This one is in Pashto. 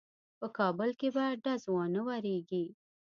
په کابل کې به ډز وانه وریږي.